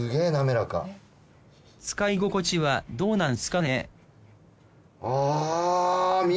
使い心地はどうなんすかね